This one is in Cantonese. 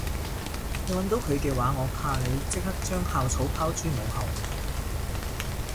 你搵到佢嘅話我怕你即刻將校草拋諸腦後